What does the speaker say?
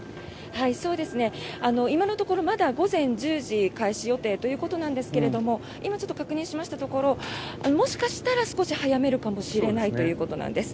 今のところまだ午前１０時開始予定ということなんですが今、ちょっと確認しましたところもしかしたら少し早めるかもしれないということなんです。